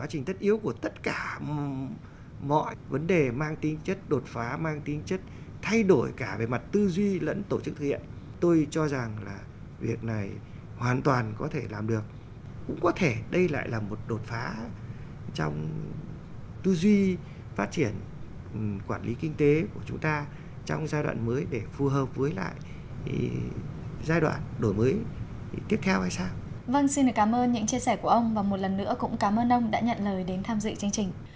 xin cảm ơn những chia sẻ của ông và một lần nữa cũng cảm ơn ông đã nhận lời đến tham dự chương trình